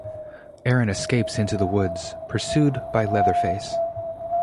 Erin escapes into the woods, pursued by Leatherface.